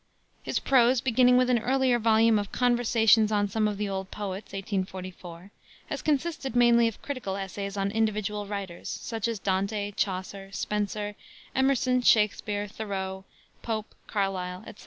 His prose, beginning with an early volume of Conversations on Some of the Old Poets, 1844, has consisted mainly of critical essays on individual writers, such as Dante, Chaucer, Spenser, Emerson, Shakespere, Thoreau, Pope, Carlyle, etc.